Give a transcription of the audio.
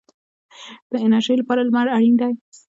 د انرژۍ لپاره لمر اړین دی